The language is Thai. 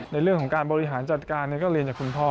ในเรื่องของการบริหารจัดการก็เรียนจากคุณพ่อ